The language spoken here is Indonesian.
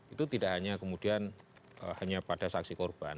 itu tidak hanya kemudian hanya pada saksi korban